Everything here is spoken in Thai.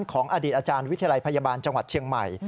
ของอดีตอาจารย์วิทยาลัยพยาบาลจังหวัดเชียงใหม่